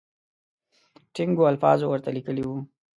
ټینګو الفاظو ورته لیکلي وو.